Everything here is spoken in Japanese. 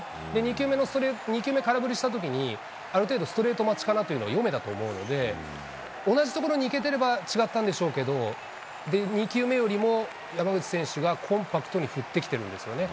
２球目の、２球目、空振りしたときに、ある程度、ストレート待ちかなというのが読めたと思うので、同じところにいけてれば違ったんでしょうけど、２球目よりも山口選手がコンパクトに振ってきてるんですよね。